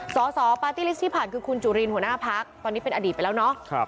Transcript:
สสปาร์ตี้ลิสต์ที่ผ่านคือคุณจุรินหัวหน้าพักตอนนี้เป็นอดีตไปแล้วเนาะ